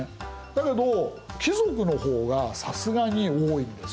だけど貴族の方がさすがに多いんですよ。